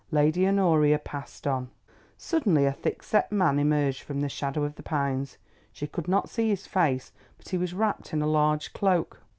Lady Honoria passed on. Suddenly a thick set man emerged from the shadow of the pines. She could not see his face, but he was wrapped in a large cloak.